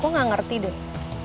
kok gak ngerti deh